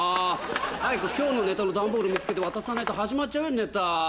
早く今日のネタの段ボール見つけて渡さないと始まっちゃうよネタ。